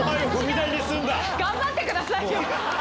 頑張ってくださいよ！